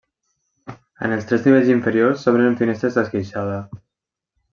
En els tres nivells inferiors s'obren finestres d'esqueixada.